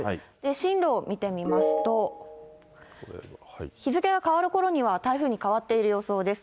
進路を見てみますと、日付が変わるころには、台風に変わっている予想です。